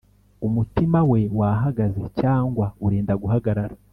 umutima we wahagaze cg urenda guhagarara.